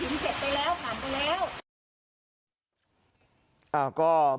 ก่อนนั้นหรือทำไมไม่กล้งหลังจากที่กระถิ่นเสร็จแล้วบรรยาที